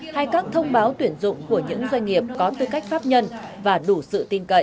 hay các thông báo tuyển dụng của những doanh nghiệp có tư cách pháp nhân và đủ sự tin cậy